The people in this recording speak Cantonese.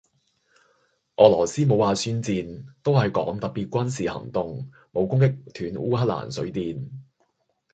俄羅斯冇話宣戰,都係講特別軍事行動，冇攻擊斷烏克蘭水電。